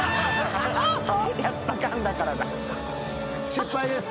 失敗です。